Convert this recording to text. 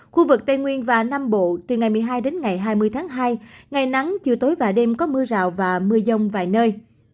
khu vực tây nguyên và nam bộ từ ngày một mươi hai đến ngày hai mươi tháng hai ngày nắng chiều tối và đêm có mưa rào và mưa dông vài nơi